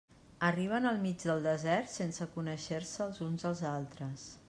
Arriben al mig del desert sense conèixer-se els uns als altres.